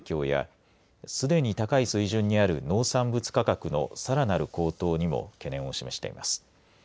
やすでに高い水準にある農産物価格のさらなる高騰にも懸念を示しています。